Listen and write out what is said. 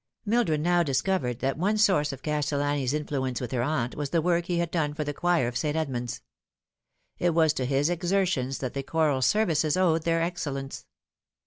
Mildred now discovered that one source of Castellani's in fluence with her aunt was the work he had done for the choir of St. Edmund's. It was to his exertions that the choral services owed their excellence.